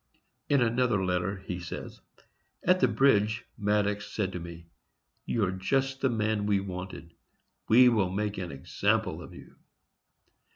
In another letter he says: At the bridge, Maddox said to me, "You are just the man we wanted. We will make an example of you."